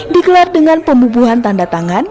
dikelar dengan pembubuhan tanda tangan